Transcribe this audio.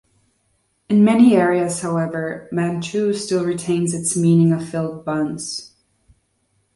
In many areas, however, "mantou" still retains its meaning of filled buns.